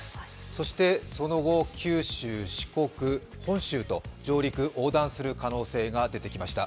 そしてその後九州、四国、本州と上陸・横断する可能性が出てきました。